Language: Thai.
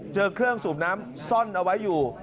เจอเครื่องสูบน้ำซ่อนเอาไว้อยู่